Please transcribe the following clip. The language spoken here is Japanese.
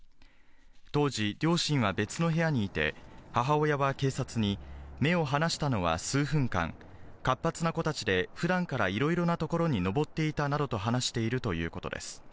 当時、両親は別の部屋にいて、母親は警察に目を離したのは数分間、活発な子たちでふだんからいろいろな所にのぼっていたなどと話しているということです。